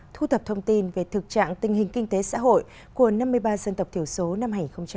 thu thập thông tin về thực trạng tình hình kinh tế xã hội của năm mươi ba dân tộc thiểu số năm hai nghìn một mươi chín